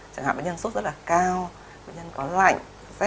chẳng hạn bệnh nhân sốt rất là cao bệnh nhân có loạn